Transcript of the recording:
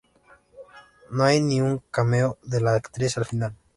No hay ni un cameo de la actriz al final.